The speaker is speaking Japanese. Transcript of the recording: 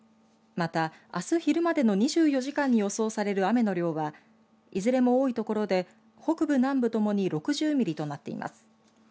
また、あす昼までの２４時間に予想される雨の量はいずれも多い所で北部、南部ともに６０ミリとなっています。